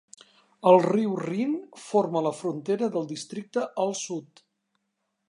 El riu Rin forma la frontera del districte al sud.